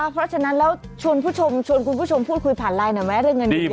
เพราะฉะนั้นเราชวนคุณผู้ชมพูดคุยผ่านไลน์หน่อยไหมเรื่องเงินเยียวยา